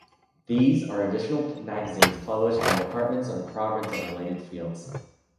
There are additional magazines published by Departments of the province in related fields.